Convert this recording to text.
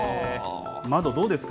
窓、どうですか。